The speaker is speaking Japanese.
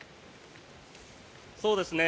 そうですね。